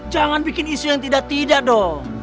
jangan bikin isu yang tidak tidak dong